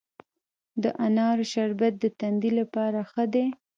د انارو شربت د تندې لپاره ښه دی.